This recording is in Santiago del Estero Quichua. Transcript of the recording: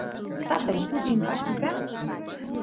tatay sutin pashku kan